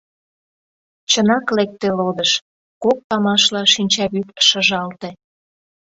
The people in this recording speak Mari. Чынак лекте лодыш — кок памашла шинчавӱд шыжалте.